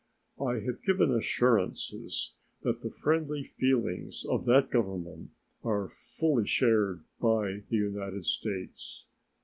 I have given assurances that the friendly feelings of that Government are fully shared by the United States.